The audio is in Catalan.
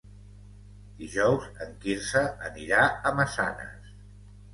Dijous en Quirze anirà a Massanes.